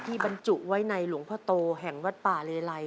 บรรจุไว้ในหลวงพ่อโตแห่งวัดป่าเลไล